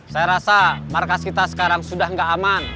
saya rasa markas kita sekarang sudah tidak aman